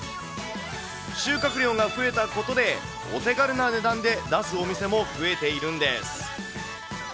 収穫量が増えたことで、お手軽な値段で出すお店も増えているんです。